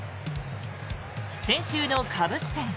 先週のカブス戦。